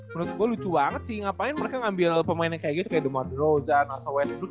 menurut gua lucu banget sih ngapain mereka ngambil pemain yang kayak gitu kayak demar drauzan russell westbrook